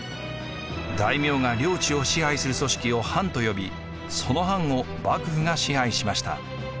大名が領地を支配する組織を藩と呼びその藩を幕府が支配しました。